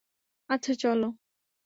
আচ্ছা, চল।